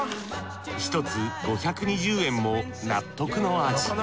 １つ５２０円も納得の味。